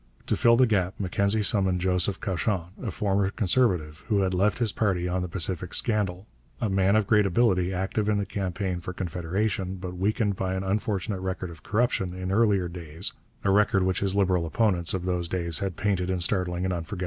To fill the gap Mackenzie summoned Joseph Cauchon, a former Conservative who had left his party on the Pacific Scandal; a man of great ability, active in the campaign for Confederation, but weakened by an unfortunate record of corruption in earlier days, a record which his Liberal opponents of those days had painted in startling and unforgettable colours.